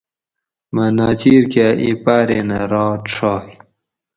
مہ ناچیر کاۤ اِیں پاۤرینہ رات ڛائے